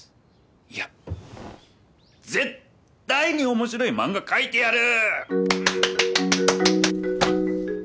いや絶対に面白い漫画かいてやる。